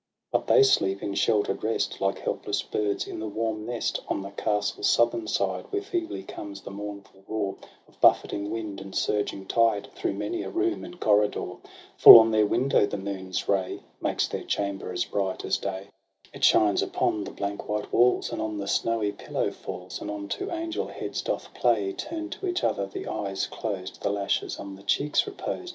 But they sleep in shelter'd rest, Like helpless birds in the warm nest, On the castle's southern side ; Where feebly comes the mournful roar Of buffeting wind and surging tide Through many a room and corridor. — Full on their window the moon's ray Makes their chamber as bright as day. 2o6 TRISTRAM AND ISEULT. It shines upon the blank white walls, And on the snowy pillow falls, And on two angel heads doth play Turn'd to each other — the eyes closed, The lashes on the cheeks reposed.